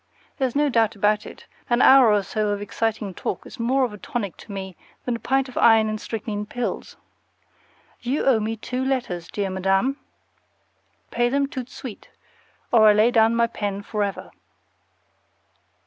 There's no doubt about it, an hour or so of exciting talk is more of a tonic to me than a pint of iron and strychnine pills. You owe me two letters, dear Madam. Pay them TOUT DE SUITE, or I lay down my pen forever.